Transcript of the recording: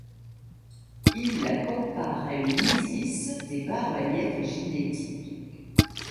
Il la compare à une Isis des bas-reliefs éginétiques.